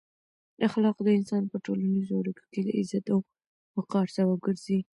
اخلاق د انسان په ټولنیزو اړیکو کې د عزت او وقار سبب ګرځي.